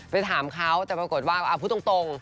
ไปถามเขาแต่ปรากฏว่าพูดตรง